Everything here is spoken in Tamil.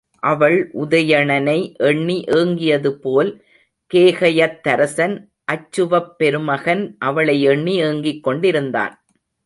அவள் உதயணனை எண்ணி ஏங்கியதுபோல் கேகயத்தரசன் அச்சுவப் பெருமகன் அவளை எண்ணி ஏங்கிக் கொண்டிருந்தான்.